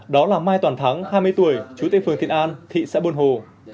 đó là mai toàn thắng hai mươi tuổi chủ tịch phường thiện an thị xã buôn hồ